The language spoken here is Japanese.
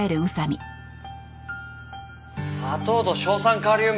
砂糖と硝酸カリウム。